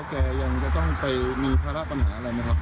แกยังจะต้องไปมีภาระปัญหาอะไรไหมครับ